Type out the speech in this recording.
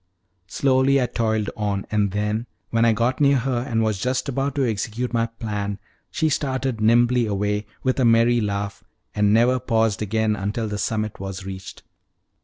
Slowly I toiled on, and then, when I got near her and was just about to execute my plan, she started nimbly away, with a merry laugh, and never paused again until the summit was reached.